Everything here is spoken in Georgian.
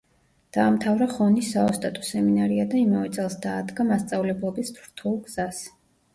დაამთავრა ხონის საოსტატო სემინარია და იმავე წელს დაადგა მასწავლებლობის რთულ გზას.